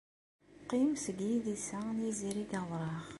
Qqim seg yidis-a n yizirig awraɣ.